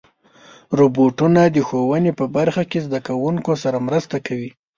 روبوټونه د ښوونې په برخه کې زدهکوونکو سره مرسته کوي.